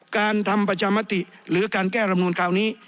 การทำประชามติหรือการแก้รำนูนคราวนี้